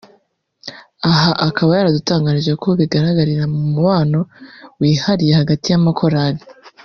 Aha akaba yaradutangarije ko bigaragarira mu mubano wihariya hagati y’amakorali